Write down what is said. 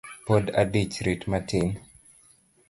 Pod adich rit matin